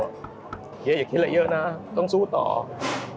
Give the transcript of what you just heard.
ครีชอย่าคิดไหลเยอะต้องสู้ขนาดเดิมต่อ